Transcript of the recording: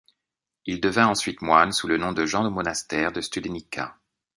Il devint ensuite moine sous le nom de Jean au Monastère de Studenica.